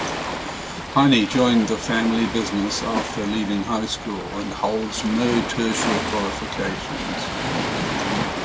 Heine joined the family business after leaving high school and holds no tertiary qualifications.